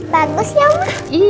bagus ya om baik